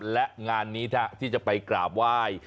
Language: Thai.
และงานนี้ถ้าที่จะไปกราบไหว้